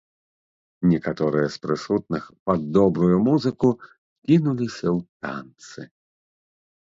Некаторыя з прысутных, пад добрую музыку, кінуліся ў танцы.